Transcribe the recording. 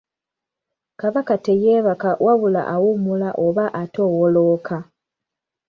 Kabaka teyeebaka wabula awummula oba atoowolooka.